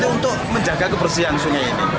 untuk menjaga kebersihan sungai ini